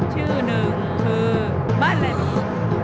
ชื่อหนึ่งคือบ้านอะไร